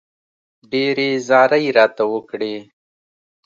ډېرې زارۍ راته وکړې.